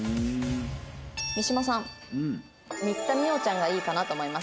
三島さん「新田ミオちゃんがいいかなと思いました」。